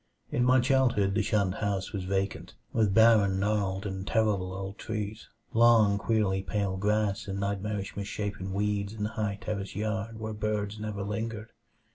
In my childhood the shunned house was vacant, with barren, gnarled and terrible old trees, long, queerly pale grass and nightmarishly misshapen weeds in the high terraced yard where birds never lingered.